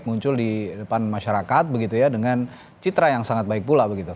muncul di depan masyarakat dengan citra yang sangat baik pula